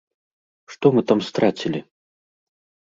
Што мы там страцілі?